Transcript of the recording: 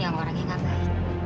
yang orang yang gak baik